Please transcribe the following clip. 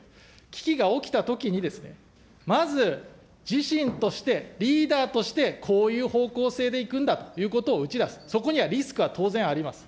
危機が起きたときに、まず自身として、リーダーとしてこういう方向性でいくんだということを打ち出す、そこにはリスクは当然あります。